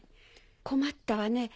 困ったわね